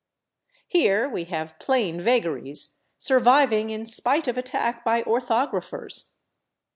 Here we have plain vagaries, surviving in spite of attack by orthographers.